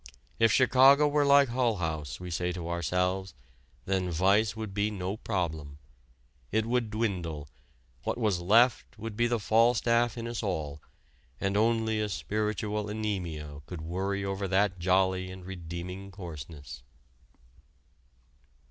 If Chicago were like Hull House, we say to ourselves, then vice would be no problem it would dwindle, what was left would be the Falstaff in us all, and only a spiritual anemia could worry over that jolly and redeeming coarseness.